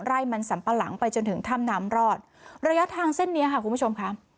ไร่มันสัมปะหลังไปจนถึงถ้ำน้ำรอดระยะทางเส้นนี้ค่ะคุณผู้ชมค่ะ